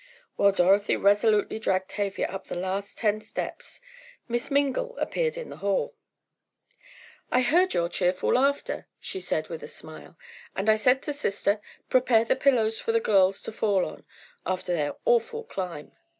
While Dorothy resolutely dragged Tavia up the last ten steps, Miss Mingle appeared in the hall. "I heard your cheerful laughter," she said with a smile, "and I said to sister, prepare the pillows for the girls to fall on, after their awful climb.